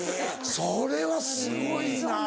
それはすごいな。